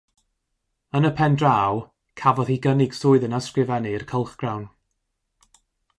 Yn y pen draw, cafodd hi gynnig swydd yn ysgrifennu i'r cylchgrawn.